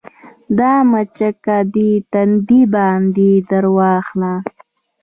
دا مچکه دې تندي باندې درواخله